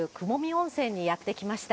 温泉にやって来ました。